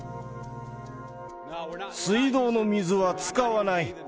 水道の水は使わない。